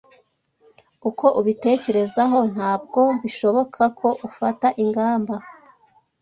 Uko ubitekerezaho ntabwo bishoboka ko ufata ingamba